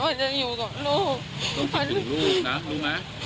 มันจะอยู่กับลูกลูกน้ำลูกน้ำ